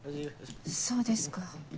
そうですか。